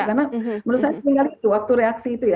karena menurut saya tinggal itu waktu reaksi itu ya